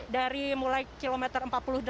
dari mulai kilometer empat puluh delapan